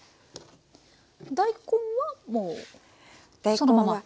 大根はもうそのまま？